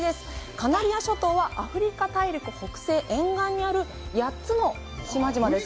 カナリア諸島は、アフリカ大陸北西沿岸にある、８つの島々です。